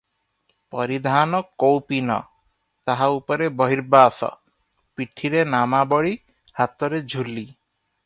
ପରିଧାନ କୌପୀନ; ତାହା ଉପରେ ବହିର୍ବାସ, ପିଠିରେ ନାମାବଳୀ, ହାତରେ ଝୁଲି ।